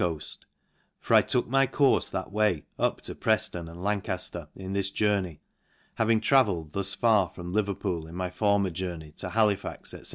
fea coaft; fori took my courfe that way up to Pre/ion and Lancafter in this journey, having tra velled thus far from Leverpool,\n my former journey to Halifax, &c.